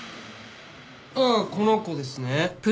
ああこの子ですね。